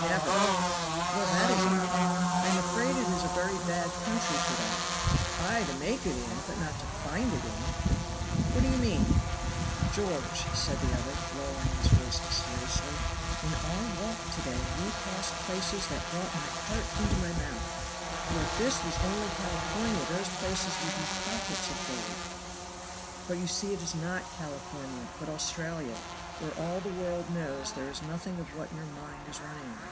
never!" "Well, that is odd!" "I am afraid it is a very bad country for that." "Ay to make it in, but not to find it in." "What do you mean?" "George," said the other, lowering his voice mysteriously, "in our walk to day we passed places that brought my heart into my mouth; for if this was only California those places would be pockets of gold." "But you see it is not California, but Australia, where all the world knows there is nothing of what your mind is running on."